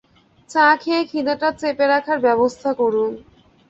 চা খেয়ে খিদেটা চেপে রাখার ব্যবস্থা করুন।